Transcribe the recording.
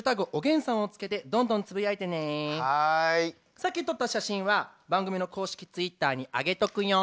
さっき撮った写真は番組の公式ツイッターに上げとくよ。